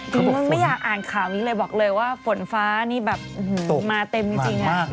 จริงมึงไม่อยากอ่านข่าวนี้เลยบอกเลยว่าฝนฟ้านี่แบบมาเต็มจริงนะมาเต็มมากมาก